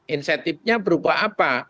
insentifnya berupa apa